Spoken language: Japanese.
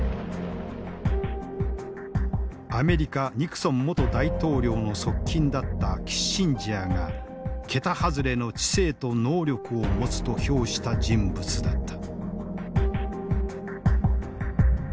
アメリカニクソン元大統領の側近だったキッシンジャーが桁外れの知性と能力を持つと評した人物だった。